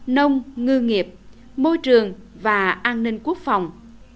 nông ngư nghiệp môi trường và an ninh quốc phòng